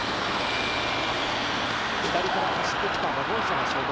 左から走ってきたワゴン車が衝突。